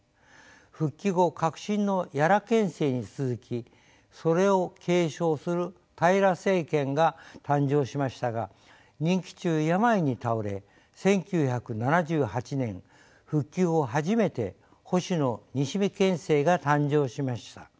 復帰後革新の屋良県政に続きそれを継承する平良県政が誕生しましたが任期中病に倒れ１９７８年復帰後初めて保守の西銘県政が誕生しました。